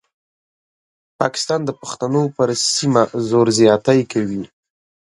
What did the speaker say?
پاکستان د پښتنو پر سیمه زور زیاتی کوي.